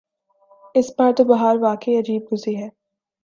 اس بار تو بہار واقعی عجیب گزری ہے۔